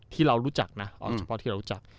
ที่เรารู้จักนะเอาเฉพาะที่เรารู้จัก